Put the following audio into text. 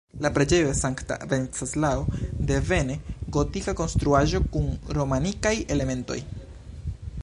La preĝejo de sankta Venceslao, devene gotika konstruaĵo kun romanikaj elementoj.